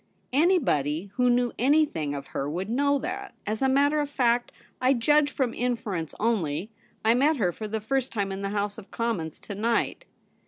* Anybody who knew anything of her would know that. As a matter of fact, I judge from inference only. I met her for the first time in the House of Commons to night.'